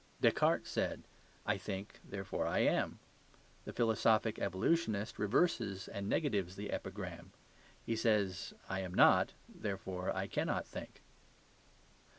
Descartes said, "I think; therefore I am." The philosophic evolutionist reverses and negatives the epigram. He says, "I am not; therefore I cannot think."